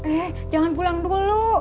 eh jangan pulang dulu